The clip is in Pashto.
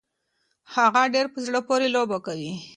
هغه ډيره په زړه پورې لوبه کوي.